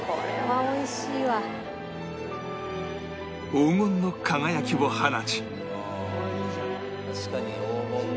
黄金の輝きを放ち